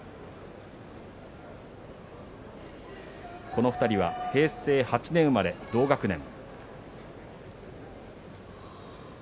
この２人は、平成８年生まれ同学年。